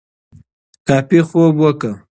کافي خوب وکړه